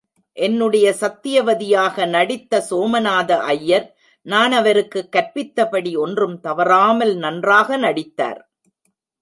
என்னுடன் சத்யவதியாக நடித்த சோமநாத ஐயர், நான் அவருக்குக் கற்பித்தபடி ஒன்றும் தவறாமல் நன்றாக நடித்தார்.